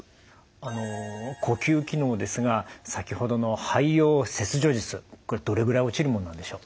あの呼吸機能ですが先ほどの肺葉切除術どれぐらい落ちるもんなんでしょう？